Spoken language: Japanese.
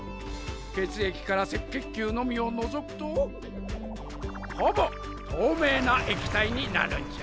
血液から赤血球のみを除くとほぼ透明な液体になるんじゃ。